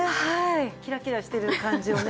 キラキラしてる感じをね